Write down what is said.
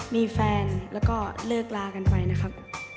มีแฟนแล้วก็เลิกลากันไปนะครับ